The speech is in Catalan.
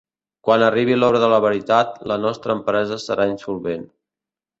Quan arribi l'hora de la veritat, la nostra empresa serà insolvent.